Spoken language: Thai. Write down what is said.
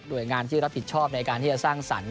โดยงานที่เราก็ทิ้งชอบการทำสรรความสังสรรค์